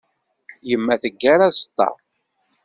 Yemma teggar aẓeṭṭa.